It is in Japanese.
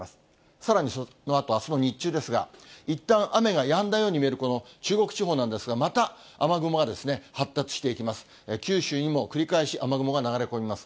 さらにそのあと、あすの日中ですが、いったん雨がやんだように見える中国地方なんですが、また雨雲が発達していきます。